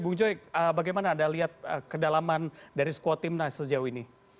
bung joy bagaimana anda lihat kedalaman dari squad timnas sejauh ini